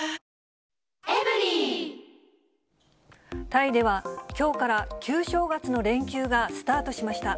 タイでは、きょうから旧正月の連休がスタートしました。